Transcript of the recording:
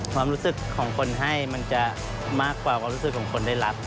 ความรู้สึกของคนให้มันจะมากกว่าความรู้สึกของคนได้รับ